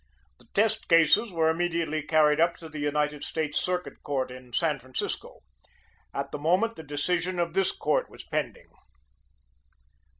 The test cases were immediately carried up to the United States Circuit Court in San Francisco. At the moment the decision of this court was pending.